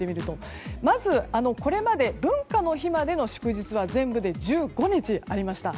まず、これまで文化の日までの祝日は全部で１５日ありました。